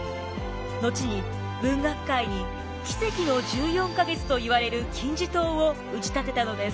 後に文学界に奇跡の１４か月といわれる金字塔を打ち立てたのです。